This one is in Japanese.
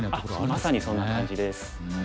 まさにそんな感じです。